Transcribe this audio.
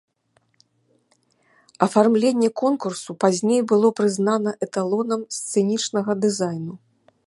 Афармленне конкурсу пазней было прызнана эталонам сцэнічнага дызайну.